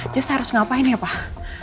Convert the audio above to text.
just harus ngapain ya pak